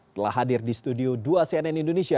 telah hadir di studio dua cnn indonesia